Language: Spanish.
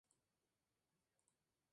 Pierce, en el Condado de St.